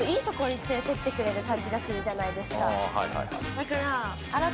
だから。